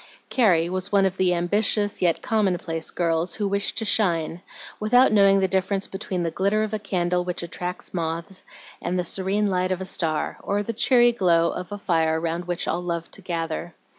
Carrie was one of the ambitious yet commonplace girls who wish to shine, without knowing the difference between the glitter of a candle which attracts moths, and the serene light of a star, or the cheery glow of a fire round which all love to gather.